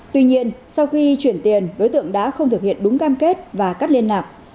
tuy nhiên sau khi chuyển tiền đối tượng đã không thực hiện đúng cam kết và cắt liên lạc